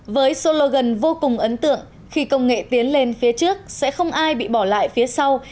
với slogan vô cùng ấn tượng khi công nghệ tiến lên phía trước sẽ không ai bị bỏ lại phía sau